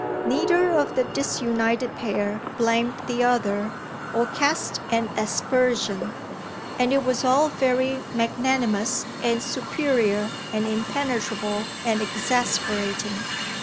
Neither of the disunited pair blamed the other or cast an aspersion, and it was all very magnanimous and superior and impenetrable and exasperating.